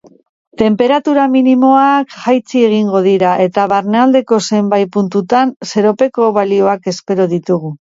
Tenperatura minimoak jaitsi egingo dira eta barnealdeko zenbait puntutan zeropeko balioak espero ditugu.